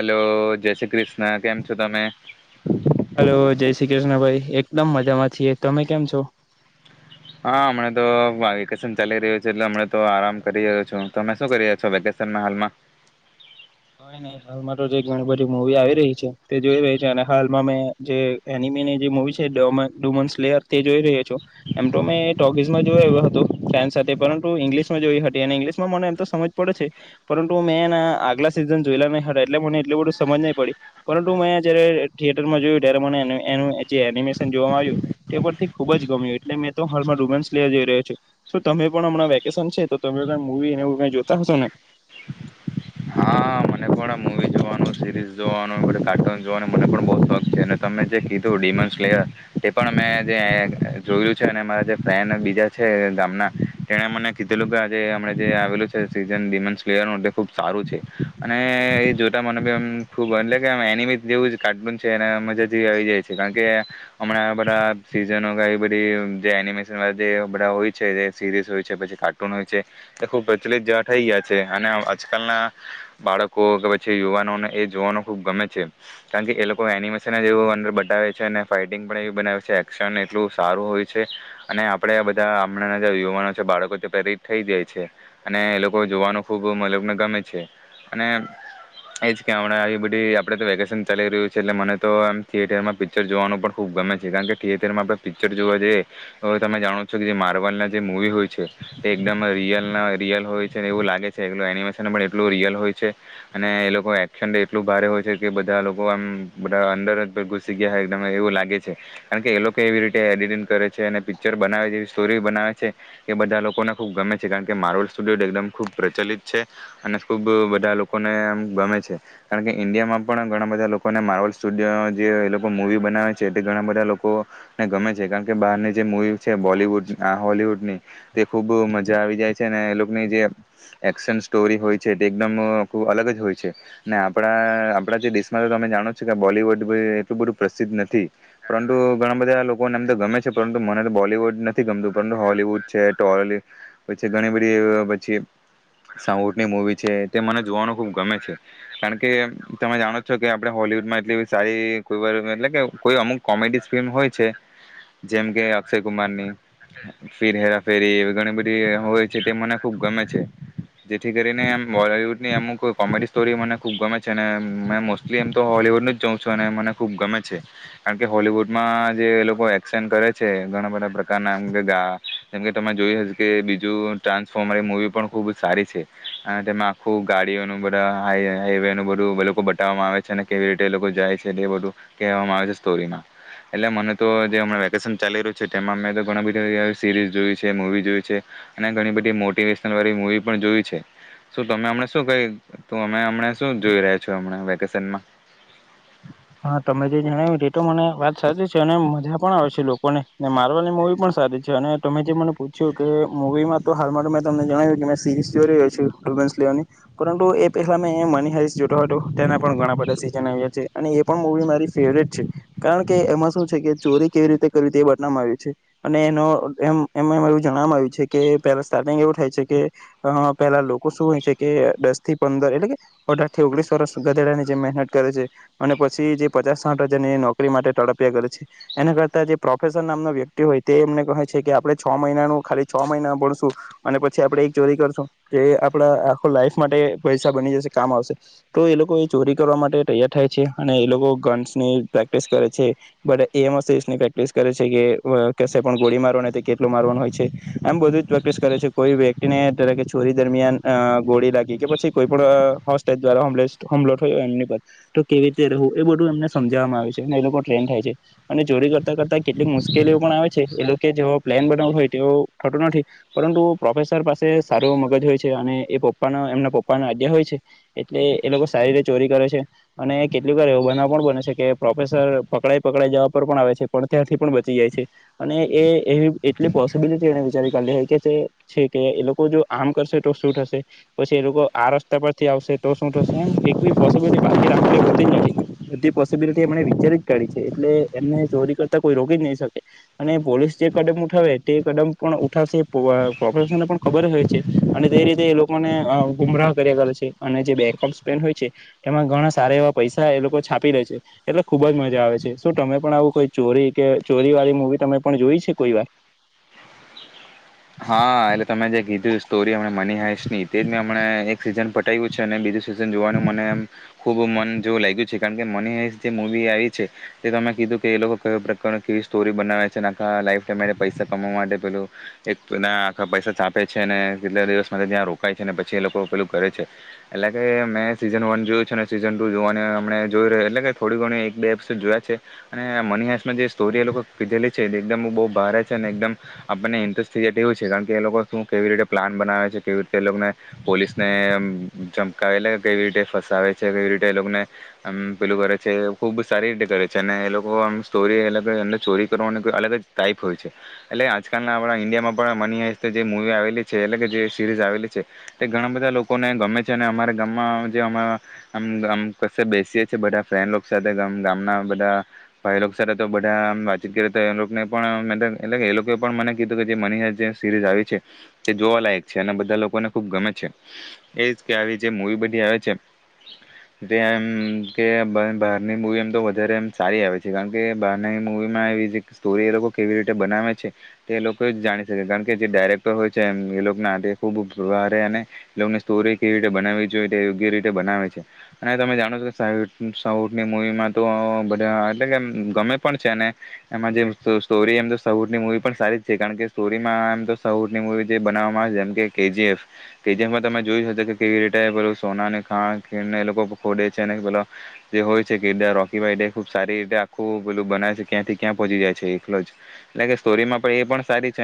Hello જય શ્રી કૃષ્ણ કેમ છો તમે હલો જય શ્રી કૃષ્ણ ભાઈ એકદમ મજામાં છીએ તમે કેમ છો હા હમણા તો વેકેશન ચાલી રહ્યું છે એટલે હમણાં તો આરામ કરી રહ્યો છું તમે શું કરી રહ્યા છો વેકેશનમાં હાલમાં કયની હાલમાં તો જે ઘણી બધી મુવી આવી રહી છે તે જોઈ રહી છે અને હાલમાં મેં જે એનિમીની જે મુવી છે ડમા ડુમન્સલેયર તે જોઈ રહ્યો છુ એમ તો મેં ટોગીઝમાં જોય આવયો હતો ફ્રેન્ડ સાથે પરંતુ ઈંગ્લિશમાં જોઈ હતી અને ઇંગ્લિશમાં મને એમ તો સમજ પડે છે પરંતુ મેં એના આગલા સિઝન જોયેલા નય હતા એટલે મને એટલુ બધું સમજ નહી પડી પરંતુ મે જયારે થિટરમાં જોયું તયારે મને એની એનુ જે એનીમેશન જોવામાં આવ્યું તે પરથી ખુબ જ ગમ્યું એટલે મે તો હાલમાં ડુમન્સલેયર જોઈ રહ્યો છુ શું તમે પણ અમણા વેકેશન છે તો તમે કોઈ મુવી નેવુ જોતા હશો ને હા મને પણ આ મૂવી જોવાનું [inaudible] સિરીઝ જોવાનું ને પછી કાર્ટૂન જોવાનો મને પણ બૌ શોખ છે ને તમે જે કીધું ડીમન્સ લેયર એ પણ મેં જે એ જોયું છે અને મારા જે ફ્રેડ અને બીજા છે ગામના તેણે મને કીધેલું કે આજે અમણા જે આવેલું છે સીઝન ડીમનસ લેયરનુ તે ખુબ સારું છે અને એ જોતા મને બી એમ ખૂબ એટલે કે આમાં એનિમે જેવું જ કાર્ટૂન છે અને મજા જેવી આવી જાય છે કારણ કે હમણાં આ બધા સિઝનો કે એ બધી જે એનિમેશન વાળી જે બધા હોય છે જે સીરીઝ હોય છે પછી કાર્ટૂન હોય છે તે ખૂબ પ્રચલિત જેવા થઈ ગયા છે અને આજકાલના બાળકો કે પછી યુવાનોને એજ જોવાનું ખૂબ ગમે છે કારણ કે એ લોકો એનિમેશન જ એવું અંદર બતાવે છે અને ફાઇટિંગ પણ એવી બનાવે છે એક્શન એટલું સારું હોય છે અને આપણે બધા હમણાંના જે યુવાનો છે બાળકો તે પ્રેરિત થઈ જાય છે અને એ લોકો જોવાનું ખૂબ મતલબ લોકોને ગમે છે અને એ જ કે હમણાં આવી બધી આપણે તો વેકેશન ચાલી રહ્યું છે એટલે મને તો એમ થિયેટરમાં પિક્ચર જોવાનું પણ ખૂબ ગમે છે કારણ કે થિયેટરમાં આપણે પિક્ચર જોવા જએ અવે તમે જાણો છો કે જે માર્વલના જે મૂવી હોય છે તે એકદમ રિયલના રિયલ હોય છે ને એવું લાગે છે એકલું એનિમેશન પણ એટલું રિયલ હોય છે અને એ લોકો એ એકશન એટલું ભારે હોય છે કે બધા લોકો આમ બધા અંદર જ ઘૂસી ગયા હોય એકદમ એવું લાગે છે કારણ કે એ લોકો એવી રીતે એડિટિંગ કરે છે અને પિક્ચર બનાવે જ એવી સ્ટોરી બનાવે છે એ બધા લોકોને ખૂબ ગમે છે કારણ કે મારવલ સ્ટુડિયો તો એકદમ ખૂબ પ્રચલિત છે અને ખૂબ બધા લોકોને આમ ગમે છે. કારણ કે ઈન્ડિયામાં પણ ઘણા બધા લોકોને માર્વલ સ્ટુડિયો જે એ લોકો મૂવી બનાવે છે તે ઘણા બધા લોકોને ગમે છે કારણ કે બહારની જે મૂવી છે બોલીવૂડ આ હોલીવૂડની તે ખૂબ મજા આવી જાય છે અને એ લોકોની જે એક્શન સ્ટોરી હોય છે તે એકદમ અલગ જ હોય છે. ને આપડા આપડા જે દેશ મા તો તમે જાણો છો કે બોલીવુડ બી એટલુ બધું પ્રસિદ્ધ નથી પરંતુ ઘણા બધા લોકોને આમ તો ગમે છે પરંતુ મને તો બોલીવુડ નથી ગમતું પરંતુ હોલીવુડ છે ટોલીવુડ પછી ઘણી બધી એવ પછી સાઉથની મુવી છે તે મને જોવાનું ખુબ ગમે છે. કારણ કે તમે જાણો છો કે આપણે હોલીવુડમાં એટલી સારી કોઈવાર એટલે કે કોઈ અમુક કોમેડી ફિલ્મ હોય છે જેમ કે અક્ષય કુમારની ફિર હેરા ફેરી એવી ઘણી બધી હોય છે તે મને ખુબ ગમે છે જેથી કરીને એમ બલીવુડની અમુક કો કોમેડી સ્ટોરી મને ખૂબ ગમે છે અને મેં મોસ્ટલી એમ તો હોલીવૂડનું જ જોઉં છું અને મને ખૂબ ગમે છે કારણ કે હોલીવૂડમાં જે એ લોકો એક્શન કરે છે ઘણા બધા પ્રકારના મગા જેમકે તમે જોય હશે કે બીજું ટ્રાન્સફોર્મર મુવી પણ ખુબ સારી છે અને તેમાં આખું ગાડીઓનું બ બધા હાઈવે હાઈવેનુ બધુ લોકો બતાવવામાં આવે છે અને કેવી રીતે એ લોકો જાય છે તે બધું કહેવામાં આવે છે સ્ટોરીમાં એટલે મને તો જે અમણા વેકેશન ચાલી રહ્યું છે તેમાં મે તો ઘણા બધા એવા સીરીઝ જોઈ છે મવી જોઈ છે અને ઘણી બધી મોટિવેશનલ વાળી મુવી પણ જોઈ છે શું તમે અમણે શું કઈ તો અમે હમણા શું જોઈ રહ્યા છો અમણા વેકેશનમાં હા તમે જે જણાવ્યું તે તો મને વાત સાચી છે અને મજા પણ આવે છે લોકોને માર્વલની મુવી પણ સારી છે અને તમે જે મને પૂછ્યું કે મુવીમાં તો હાલમાં તો મેં તમને જણાવ્યું કે મેં સીરીઝ જોઈ રહયો શું ડિમન્સ લેયરની પરંતુ એ પેલા મેં મની હેઇસ્ટ જોતો હતો તેના પણ ઘણા બધા સિઝન આવ્યા છે. અને એ પણ મુવી મારી ફેવરેટ છે. કારણ કે એમાં શું છે કે ચોરી કેવી રીતે કરવી એ બનાવામાં આવી છે. અને એનો એમ એમાં એવું જણવામાં આવ્યું છે કે, પેલા સ્ટાર્ટિંગ એવું થાય છે કે, પેલા લોકો શું હોય છે કે દસ થી પંદર એટલે કે અઢાર થી ઓગણીસ વર્ષ ગધેડાની જે મહેનત કરે છે. અને પછી જે પચાસ સાઠ હજારની નોકરી માટે તડપ્યા કરે છે. એના કરતા જે પ્રોફેશન નામનો વ્યક્તિ હોય તે એમને કહે છે કે, આપણે છ મહિનાનું ખાલી છ મહિના ભણશું. અને પછી આપણે એક ચોરી કરશું. તે આપણા આખો લાઈફ માટે પૈસા બની જશે કામ આવશે. તો એ લોકો એ ચોરી કરવા માટે તૈયાર થાય છે છે અને એ લોકો ગન્સની પ્રેક્ટિસ કરે છે. બધા એમ એસિસ્ટ ની પ્રેક્ટિસ કરે છે. કે ક કસે પણ ગોળી મારવાની કેટલું મારવાનું હોય છે. એમ બધું જ પ્રેક્ટિસ કરે છે. કોઈ વ્યક્તિને ધારો કે ચોરી દરમિયાન ગોળી લાગી કે, પછી કોઈ પણ હોસ્ટેજ દ્વારા હમલો થયો એમની પર તો કેવી રીતે રહું. એ બધું એમને સમજવામાં આવે છે. અને એ લોકો ટ્રેન થાય છે. અને ચોરી કરતા કરતા કેટલીક મુશ્કેલીઓ પણ આવે છે. એ લોકો જેવો પ્લાન બનાવ હોય તેવ થતો નથી. પરંતુ પ્રોફેસર પાસે સારું મગજ હોય છે. અને એ પપ્પા એમના પપ્પાના આઈડિયા હોય છે. એટલે એ લોકો સારી રીતે ચોરી કરે છે. અને કેટલીક વાર એવો બનાવ પણ બને છે કે, પ્રોફેસર પકડાઈ પકડાઈ જવા પર પણ આવે છે. પણ ત્યાંથી પણ બચી જાય છે. અને એ એવી એટલી પોસિબિલિટી એને વિચારી કાઢ લે કે છે કે, એ લોકો જો આમ કરશે તો શું થશે. પછી એ લોકો આ રસ્તા પરથી આવશે તો શું થશે. એમ એક બી પોસિબિલિટી બાકી રાખ હોતી જ નથી. બધી પોસિબિલિટી એમને વિચારી જ કાઢી છે. એટલે એમને ચોરી કરતા કોઈ રોકી જ નહી શકે. અને પોલીસ જે કદમ ઉઠાવે તે કદમ પણ ઉઠાવશે પ્રોફેશને પણ ખબર હોય છે. અને તે રીતે એ લોકોને ગુમરાહ કર્યા કરે છે. અને જે બેકોપેન હોય છે. એમાં ઘણા સ એવા પૈસા એ લોકો છાપી લે છે. એટલે ખુબ જ મજા આવે છે. શું તમે પણ આવું કોઈ ચોરી કે ચોરી વાળી મુવી તમે પણ જોઈ છે કોઈ વાર? હા એટલે તમે જે કીધું, સ્ટોરી હમ મની હાઈશ ની તે જ મેં હમને એક સીઝન પઠાવ્યું છે. અને બીજું સીઝન જોવાનું મને એમ ખુબ મન જેવું લાગ્યું છે. કારણ કે, મની હાઈશ જે મવી આવી છે, તેમે કીધું કે એ લોકો ક પ્રકાર કેવી સ્ટોરી બનાવે છે. આ લ ટાઈ પૈસા કમાવા માટે પેલું એકના આખા પૈસા ચાપે છે. અને કેટલા દિવસ માટે ત્યાં રોકાય છે. પછી એ લોકો પેલું કરે છે. એટલે કે મેં સીઝન વન જોયું છે. ને સીઝન ટુ જોવાને અમને જોઈ રહ્યો એટલે કે થોડી ઘણી એક બે એપિસોડ જોયા છે. અને મની હંસમાં જે સ્ટોરી એ લોકો કીધેલી છે, એ એકદમ બહુ ભારે છે. અને એકદમ આપણને ઇન્ટરેસ્ટ ક્રિએટિવ છે એવું છે. કારણ કે એ લોકો શું કેવી રીતે પ્લાન બનાવે છે, કેવી રીતે એ લોકોને પોલીસને ચમકાવેટ કેવી રીતે ફસાવે છે, કેવી રીતે એ લોકોને પેલું કરે છે. એ ખૂબ સારી રીતે કરે છે. અને એ લોકો આમ સોરી અલગ એમને ચોરી કરવાની અલગ જ ટાઈપ હોય છે. એટલે આજકાલના આપણા ઇન્ડિયામાં મ પણ મનીહસ્ જે મવી આવેલી છે. એટલે કે જે સીરીઝ આવેલી છે. તે ઘણા બધા લોકોને ગમે છે. અને અમારા ગામમાં જેમ ક બેસીએ છી બધા ફ્રેન્ડ સાથે ગામના બધા ભાઈલો સાથે બધા વાતચીત કરીએ તો એ લોકોને પણટ એ લોકોએ પણ મને કીધું કે મની હર્સ્ટ સિરીઝ આવી છે તે જોવાલાયક છે. અને બધા લોકોને ખુબ ગમે છે. એ કે આવી જે મવી બધી આવે છે, તેમ કે બારની મવી એમ તો વધારે સારી આવે છે. કારણ કે બહાર મવીમાં સ્ટોરી એ લોકો કેવી રીતે બનાવે છે તે તોઈ જ જાણી શકે. કારણ કે જે ડાયરેક્ટર હોય છે એમ એ લોકોના ખૂબ વારે અને એ લોકોની સ્ટોરી કેવી રીતે બનાવવી જોઈએ તે યોગ્ય રીતે બનાવે છે. અને તમે જાણો છો કે સાઉ સાઉથની મૂવીમાં તો બધા એટલે કે ગમે પણ છે. અને એમાં જે સ્ટોરી એમ તો સાઉથની મૂવી પણ સારી કારણ કે, સ્ટોરીમાં એમ તો સાઉથ ની મૂવી જે બનાવવામાં આવે છે. જેમ કે કેજીએફ કેજીએફમાં તમે જોય શકો કે કેવી રીતે પેલું સોનાને ખાણ ખીને એ લોકો ખોડે છે. પે જે હોય છે. કે રોકીભાઈ ખુબ સારી રીતે આખું પેલું બનાવે છે. ક્યાંથી ક્યાં પહોંચી જાય છે. એકલો જ. એટલે કે સ્ટોરીમાં પણ એ પણ સારી છે.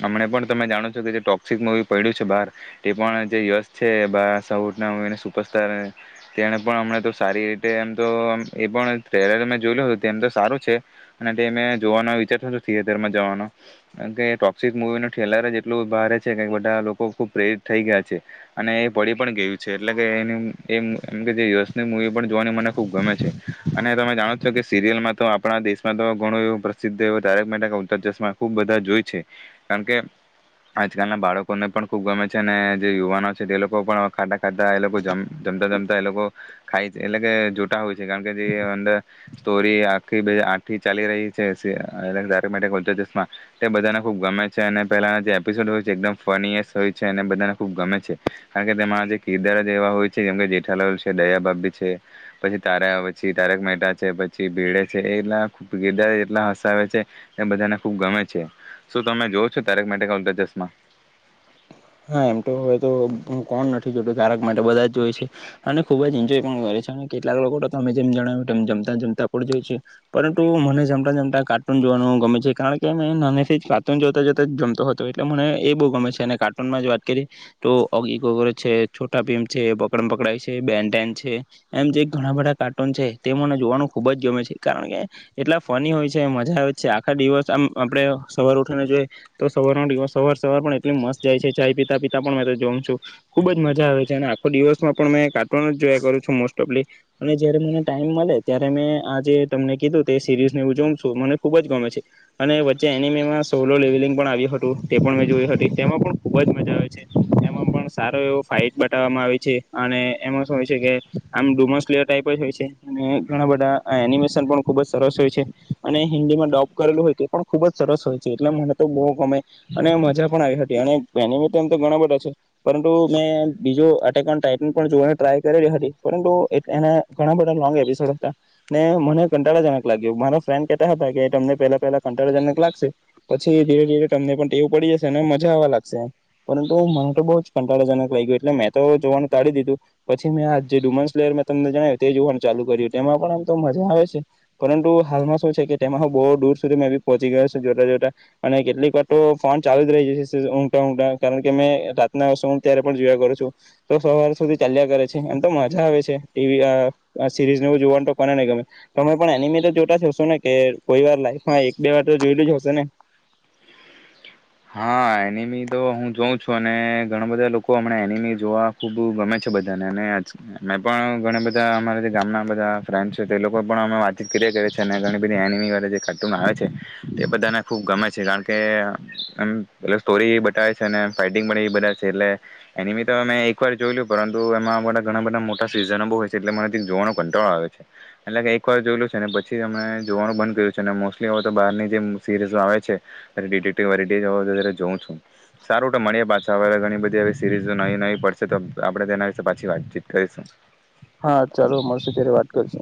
અમને પણ તમે જાણો છો કે જે ટોક્સિક મુવી પડ્યું છે બાર. તે પણ જે યસ છે બાર સાઉથનાને સુપરસ્ટાર. તેને પણ અમને તો સારી રીતે એમ તો એ પણ થ્રેલર મેં જોલું હતું. તે તો સારું છે. અને તે મેમે જોવાનો વિચારતો થિયેટરમાં જવાનો કારમ કે ટોક્સિક મુવી ન ટ્રેલર જ એટલું બારે છે. કે બધા લોકો ખુબ પ્રેરિત થઈ ગયા છે. અને એ પડી પણ ગયું છે. એટલે કે એનું એ એમ કે, જે યસની મુવી પણ જોવાની મને ખૂબ ગમે છે. અને તમે જાણો છો કે સિરિયલમાં તો આપણા દેશમાં તો ઘણું એવું પ્રસિદ્ધ એ તારક મે ઉત્તર જશમાં ખુબ બધા જોય છે. કારણ કે આજકાલના બાળકોને પણ ખુબ ગમે છે. અને જે યુવાનો છે તે લોકો પણ ખાતા ખાતા એ લોકોમ જમતા જમતા એ લોકો ખાય એટલે કે જોતા હોય છે. કારણ કે જે અંદર સ્ટોરી આખી આખથી ચાલી રહી છે. માટે તારક મહેતાના ઉલ્ટા ચશ્મા તે બધા ને બઉ ગમે છે. અને પહેલાના જે એપિસોડ હોય છે, એકદમ ફનીસ હોય છે. અને બધાને ખુબ ગમે છે. કારણ કે તેમાં જે કિરદાર એવા હોય છે જેમ કે જેઠાલાલ છે દયા ભાભી છે, પછી તારાછ તારક મહેતા છે, પછી ભીડે છે. એલારદાર જેલા હસાવ છે. એ બધાને ખુબ ગમે છે. શું તમે જો છો તારક મેહતા કા ઉલટા ચશ્માં? હા એમ તો હવે તો હું કોણ નથી જોતો તારક મહેતા બધા જ જોય છે. અને ખુબ જ એન્જોય પણ કરે છે. કેટલાક લોકો તો તમે જેમ જણાવ્યું તેમ જમતા જમતા પણ જોય છે. પરંતુ મને જમતા જમતા કાર્ટૂન જોવાનું ગમે છે. કારણ કે નાનેથી જ કાર્ટૂન જોતા જોતા જમતો હતો એટલે મને એ બહુ ગમે છે. અને કાર્ટ માંજ વાત કરીએ તો ઓગી છે છોટા ભીમ છે, પકડ પકડાય છે, બેનન છે. એમ જે ઘણા બધા કાર્ટૂન છે, તે મને જોવાનું ખુબ જ ગમે છે. કારણ કે એટલા ફની હોય છે, મજા આવે છે. આખા દિવસ આમ આપડ સવાર ઉઠીને જોઈએ તો સવારનો સવાર સર પણ એટલી મસત જાય છે. ચાય પીતા પિતા પણ હુતો જોઉં છું. ખુબ જ મજા આવે છે. અને આખો દિવસમાં પણ મેં કાર્ટૂન જ જોયા કરું છું મોસ્ટઓફલી. અને જયારે મને ટાઈમ મળે ત્યારે મેં આ જે તમને કીધું તે સિરીઝને એવું જોમ છું. મને ખુબ જ ગમે છે. અને વચ્ચે એનીમેમાં સોલો લેવલિંગ પણ આવ્યું હતું. તે પણ મેં જોઈ હતી તેમાં પણ ખૂબ જ મજા આવે છે. એમાં પણ સારો એવો ફાઇટ બતાવવામાં આવે છે. અને એમાં શું હોય છે કે, આમ ડુમસલેયર ટાઈઇપ જ હોય છે. અને ઘણા બધા એનિમેશન પણ ખૂબ જ સરસ હોય છે. અને હિન્દીમાં ડપ કરેલું હોય તે પણ ખૂબ જ સરસ હોય છે. એટલે મને તો બહુ ગમે, અને મજા પણ આવી હતી. અને એમિતતે એમ તો ઘણા બધા છે. પરંતુ મેં બીજો ટટન ટાઇપ નુ પણ જોવા ટ્રાય કરેલી હતી. પરંતુ એ ના ઘણા બધા લોંગ એપિસોડ હતા, ને મને કંટાળાજનક લાગ્યો. મારા ફ્રેન્ડ કેહેતા હતા કે, તમને પેલા પહેલા કંટાળાજનક લાગશે. પછી ધીરે ધીરે તમને પણ ટેવું પડી જશે અને મજા આવા લાગ પરંતુ મને તો બહ જ કંટાળાજનક લાગ્યું. એટલે મેં તો જોવાનું ટાળી દીધું. પછી મેં આ જે ડુમસ લેર મેં તમને જણાવ્યું, તે જોવાનું ચાલુ કર્યું. તેમાં પણ આમ તો મજા આવે છે. પરંતુ હાલમાં શું છે કે, તેમાં બહ દૂર સુધી મેભી પહોચી ગયો જોતા જોતા. અને કેટલીક વાર તો ફોન ચાલુ જ રહી જશે કારણ કે મે રાતના સુવું ત્યારે પણ જોયા કરું છું. તો સવાર સુધી ચાલ્યા કરે છે. એમ તો મજા આવે છે, ટીવી અ સિરીઝને જોવાનું કોને નગમે. તમે પણ એનીમી તો જોતા જ હશો ને? કે કોઈ વાર લાઈફમાં એક બે વાર તો જોયલું જ હશેને? હા એનિમી તો હું જોઉં છું. અને ઘણા બધા લોકો હમણા એનિમી જોવા ખુબ ગમે છે બધાને. મેં પણ ઘણા બધા અમારા જે ગામના બધા ફ્રેન્ડ છે, તે લોકો પણ અમે વાતચીત કરી કર છે. અને ઘણી બધી એનિમી કરતમાં આવે છે. તે બધાને ખુબ ગમે છે કારણ કે એમ પ સ્ટોરી એ બતાવે છે ને. ફાઈટિંગ પણ એ બધવે છે. એટલે એની બી તો અમે એકવાર જોયલું, પરંતુ એમાં અમારા ઘણા બધા મોટા સિઝનો બ હોય છે. એટલે મનેથી જોવા કંટાળો આવે છે. એટલે કે એકવાર જોયલું છે. ને પછી અમે જોવાનું બંધ કર્યું છે. અને મોસ્ટલી હવે તો બારની જે સીરીઝ આવે છે. જોઉં છું. સારું તો મળીએ પાછા, હવે ઘણી બધી સિરીઝ નઈ ન પડશે તો, આપણેે તેના વિશે પાછી વાતચીત કરીશું. હા ચાલો મળશે ત્યારે વાત કરશું